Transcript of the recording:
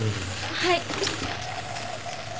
はい。